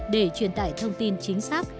để truyền tải thông tin chính xác